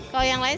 kalau yang lain